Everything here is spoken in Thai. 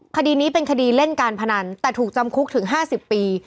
คดีนี้เป็นคดีเล่นการพนันแต่ถูกจำคุกถึง๕๐ปี